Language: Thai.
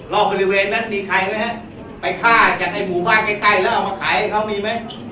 บริเวณนั้นมีใครไหมฮะไปฆ่ากันในหมู่บ้านใกล้แล้วเอามาขายให้เขามีไหม